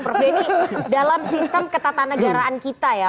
prof denny dalam sistem ketatanegaraan kita ya